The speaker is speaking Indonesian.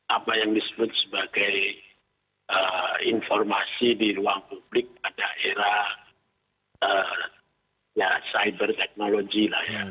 apa yang disebut sebagai informasi di ruang publik pada era cyber technology lah ya